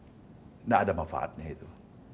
tidak ada manfaatnya itu